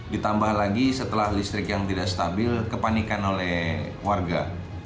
ditambah lagi setelah listrik yang tidak stabil kepanikan oleh warga